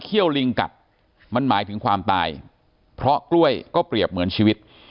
ลิงกัดมันหมายถึงความตายเพราะกล้วยก็เปรียบเหมือนชีวิต